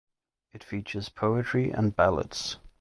It features poetry and ballads.